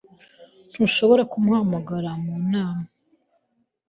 Ntushobora kumuhamagara mu nama?